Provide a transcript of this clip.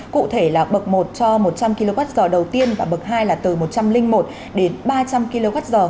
cụ thể là bậc một cho một trăm linh kwh đầu tiên và bậc hai là từ một trăm linh một đến ba trăm linh kwh